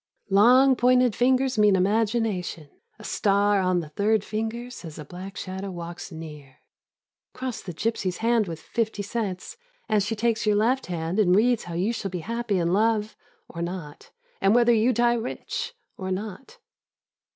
" Long pointed fingers mean imagination ; a star on the third finger says a black shadow walks near." Cross the g3^sy's hand with fifty cents and she takes your left hand and reads how you shall be happy in love, or not, and whether you die rich, or not.